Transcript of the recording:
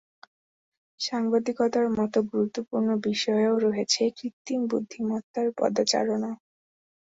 সাংবাদিকতার মত গুরুত্বপূর্ণ বিষয়েও রয়েছে কৃত্রিম বুদ্ধিমত্তার পদচারনা।